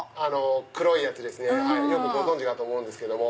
黒いやつですねよくご存じかと思うんですけども。